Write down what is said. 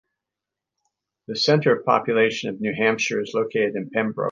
The center of population of New Hampshire is located in Pembroke.